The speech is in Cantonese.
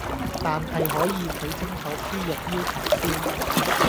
但係可以睇清楚輸入要求先